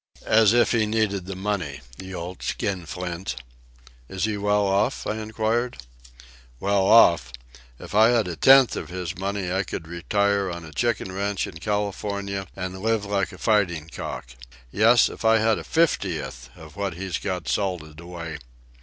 As if he needed the money! The old skinflint!" "Is he well off?" I inquired. "Well off! If I had a tenth of his money I could retire on a chicken ranch in California and live like a fighting cock—yes, if I had a fiftieth of what he's got salted away.